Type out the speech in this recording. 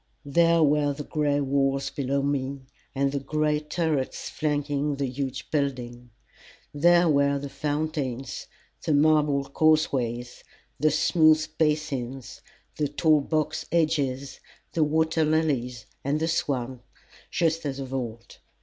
There were the gray walls below me and the gray turrets flanking the huge building; there were the fountains, the marble causeways, the smooth basins, the tall box hedges, the water lilies, and the swans, just as of old.